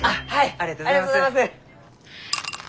ありがとうございます！